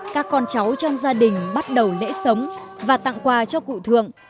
các con cháu trong gia đình bắt đầu lễ sống và tặng quà cho cụ thượng